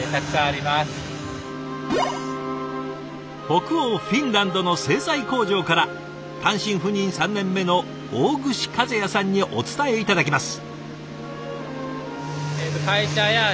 北欧フィンランドの製材工場から単身赴任３年目の大串和也さんにお伝え頂きます。